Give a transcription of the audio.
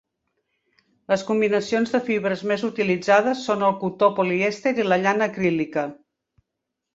Les combinacions de fibres més utilitzades són el cotó polièster i la llana acrílica.